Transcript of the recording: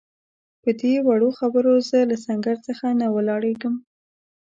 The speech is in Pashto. پدې وړو خبرو زه له سنګر څخه نه ولاړېږم.